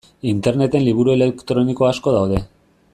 Interneten liburu elektroniko asko daude.